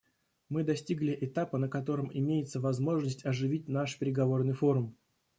Мы достигли этапа, на котором имеется возможность оживить наш переговорный форум.